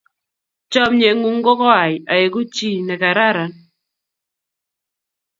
chamiyet ng'un ko koai aengu ji ne karakan